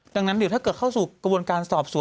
ดังนั้นเดี๋ยวถ้าเกิดเข้าสู่กระบวนการสอบสวน